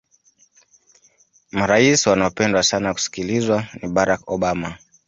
maraisi wanaopendwa sana kusikilizwa ni barack obama